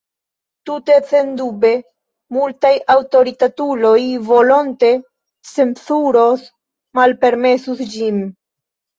Tute sendube multaj aŭtoritatuloj volonte cenzurus, malpermesus ĝin.